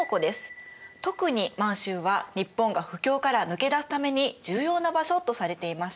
特に満州は日本が不況から抜け出すために重要な場所とされていました。